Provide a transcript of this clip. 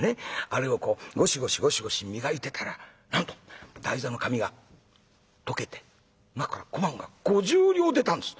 あれをこうゴシゴシゴシゴシ磨いてたらなんと台座の紙が溶けて中から小判が５０両出たんです」。